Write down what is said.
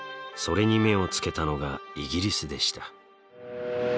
それに目をつけたのがイギリスでした。